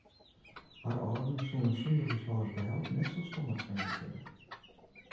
Har âlden soene sûnder húshâldlike help net selsstannich wenje kinne.